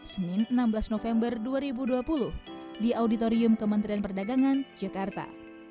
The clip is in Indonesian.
senin enam belas november dua ribu dua puluh di auditorium kementerian perdagangan jakarta